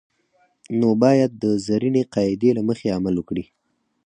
نو باید د زرینې قاعدې له مخې عمل وکړي.